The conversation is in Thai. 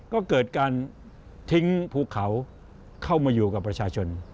ก็เกิดการทิ้งภูเขาเข้ามาอยู่กับประชาชน